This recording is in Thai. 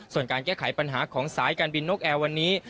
ส่วนการแก้ไขปัญหาของสายการบินนกแอร์วันนี้